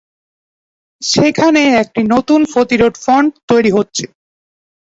সেখানে একটি নতুন প্রতিরোধ ফ্রন্ট তৈরি হচ্ছে।